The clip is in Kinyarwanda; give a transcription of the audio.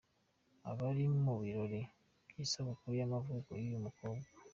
Aba bari mu birori by’isabukuru y’amavuko y’uyu mukambwe.